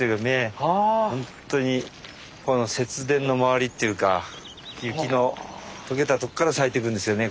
ほんとにこの雪原の周りというか雪の解けたとこから咲いてくんですよね